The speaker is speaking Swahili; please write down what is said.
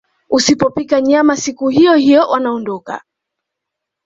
Usipopika nyama siku hiyohiyo wanaondoka